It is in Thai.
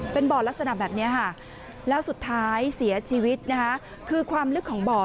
เป็นบ่อลักษณะแบบนี้ค่ะแล้วสุดท้ายเสียชีวิตนะคะคือความลึกของบ่อ